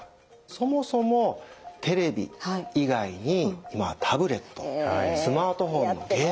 そもそもテレビ以外にまあタブレットスマートフォンのゲーム